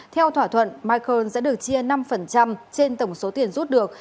theo thỏa thuận michael sẽ được chia năm trên tổng số tiền rút được